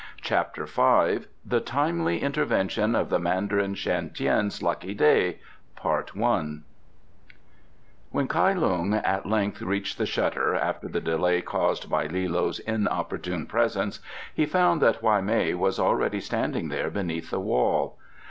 CHAPTER V The Timely Intervention of the Mandarin Shan Tien's Lucky Day When Kai Lung at length reached the shutter, after the delay caused by Li loe's inopportune presence, he found that Hwa mei was already standing there beneath the wall.